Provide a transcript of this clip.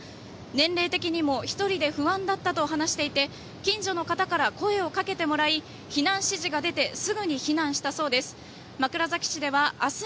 年齢的にも１人で不安だったと話していて近所の方から声をかけてもらい避難指示が出てすぐに避難したそうです。